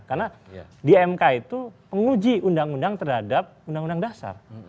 karena di mk itu menguji undang undang terhadap undang undang dasar